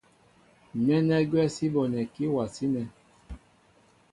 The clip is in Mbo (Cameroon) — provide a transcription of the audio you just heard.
Nɛ́nɛ́ gwɛ́ sí bonɛkí áwasí nɛ̄.